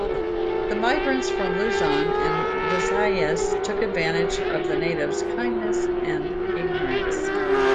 The migrants from Luzon and Visayas took advantage of the natives' kindness and ignorance.